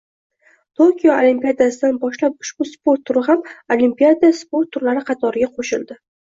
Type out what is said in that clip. Tokio olimpiadasidan boshlab ushbu sport turi ham olimpiada sport turlari qatoriga qoʻshildi.